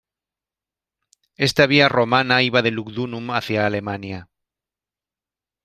Esta vía romana iba de Lugdunum hacia Alemania.